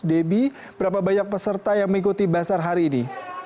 debbie berapa banyak peserta yang mengikuti basar hari ini